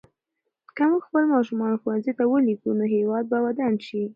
که موږ خپل ماشومان ښوونځي ته ولېږو نو هېواد به ودان شي.